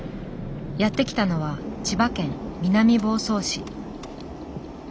やって来たのは千葉県南房総市。